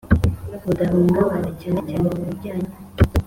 Budahungabana cyane cyane mu bijyanye